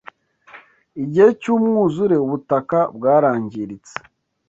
Igihe cy’umwuzure, ubutaka bwarangiritse